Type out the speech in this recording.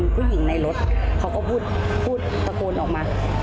พูดตะโกนออกมา